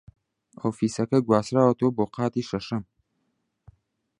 ئۆفیسەکە گواستراوەتەوە بۆ قاتی شەشەم.